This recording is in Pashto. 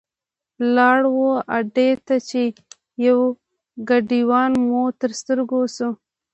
لاړو اډې ته چې یو ګاډیوان مو تر سترګو شو.